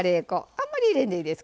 あんまり入れんでいいです。